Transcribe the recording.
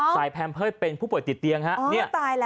แพมเพิร์ตเป็นผู้ป่วยติดเตียงฮะ